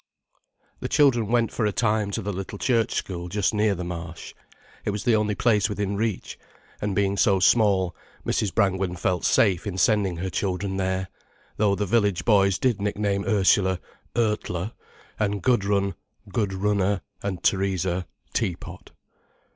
The children went for a time to the little church school just near the Marsh. It was the only place within reach, and being so small, Mrs. Brangwen felt safe in sending her children there, though the village boys did nickname Ursula "Urtler", and Gudrun "Good runner", and Theresa "Tea pot".